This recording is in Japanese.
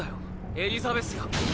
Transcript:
エリザベスが。